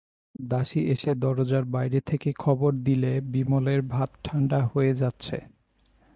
দাসী এসে দরজার বাইরে থেকে খবর দিলে বিমলের ভাত ঠাণ্ডা হয়ে যাচ্ছে।